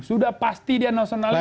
sudah pasti dia nasionalis